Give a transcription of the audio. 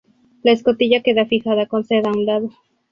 La escotilla queda fijada con seda a un lado.